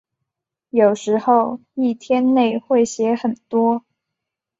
有时候一天内会写很多。